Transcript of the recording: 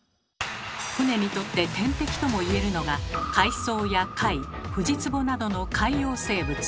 船にとって天敵ともいえるのが海藻や貝フジツボなどの「海洋生物」。